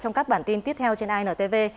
trong các bản tin tiếp theo trên intv